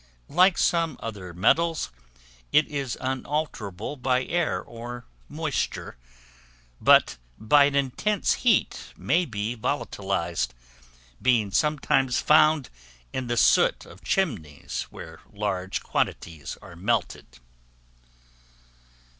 Like some other metals, it is unalterable by air or moisture, but by an intense heat may be volatilized, being sometimes found in the soot of chimneys where large quantities are melted.